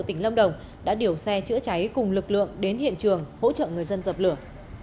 tỉnh lâm đồng đã điều xe chữa cháy cùng lực lượng đến hiện trường hỗ trợ người dân dập lửa